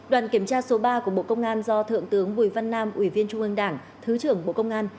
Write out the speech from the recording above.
đoàn kiểm tra số ba của bộ công an do thượng tướng bùi văn nam ủy viên trung ương đảng thứ trưởng bộ công an